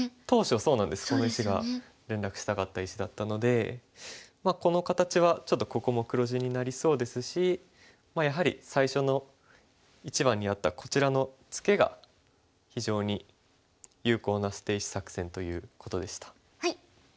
当初そうなんですこの石が連絡したかった石だったのでこの形はちょっとここも黒地になりそうですしやはり最初の一番にやったこちらのツケが非常に有効な捨て石作戦ということでした。